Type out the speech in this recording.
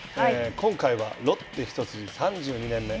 今回はロッテ一筋３年目。